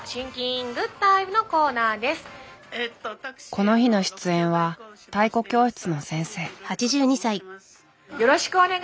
この日の出演は太鼓教室の先生。